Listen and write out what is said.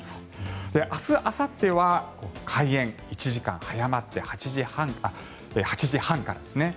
明日あさっては開園、１時間早まって８時半からですね。